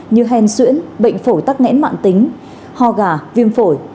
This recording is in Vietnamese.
như hèn xuyễn bệnh phổi tắc nghẽn mạng tính ho gà viêm phổi